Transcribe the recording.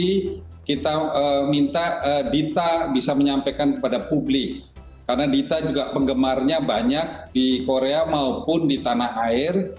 jadi kita minta dita bisa menyampaikan kepada publik karena dita juga penggemarnya banyak di korea maupun di tanah air